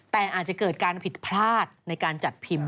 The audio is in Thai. แต่อาจจะเกิดการผิดพลาดในการจัดพิมพ์